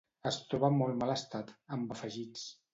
Es troba en molt mal estat, amb afegits.